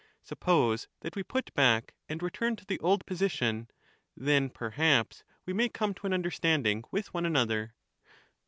Suppose that we put back, and return to the old position ; then perhaps we may come to an understanding with one another.